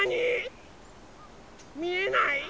みえない？